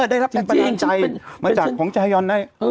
ได้รับแอบประนะใจจริงจริงอะไรจากของจัยเฮยอลนะเออ